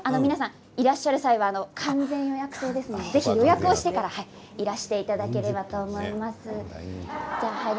いらっしゃる際は完全予約制ですのでぜひ予約をしてからいらしていただければと思います。